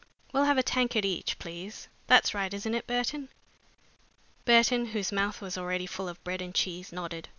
We'll have a tankard each, please. That's right, isn't it, Burton?" Burton, whose mouth was already full of bread and cheese, nodded.